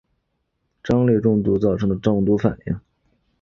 蕈类中毒造成的中毒反应。